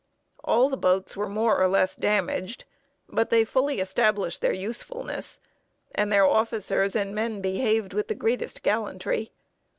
All the boats were more or less damaged; but they fully established their usefulness, and their officers and men behaved with the greatest gallantry.